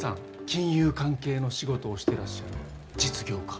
金融関係の仕事をしてらっしゃる実業家。